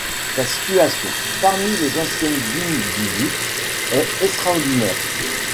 Sa situation, parmi les anciennes dunes du Zoute, est extraordinaire.